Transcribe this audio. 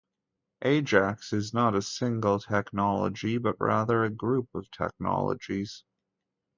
Ajax is not a single technology, but rather a group of technologies.